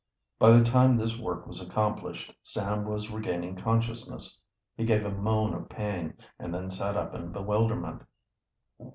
By the time this work was accomplished Sam was regaining consciousness. He gave a moan of pain, and then sat up in bewilderment.